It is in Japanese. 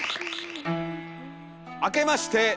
あけまして。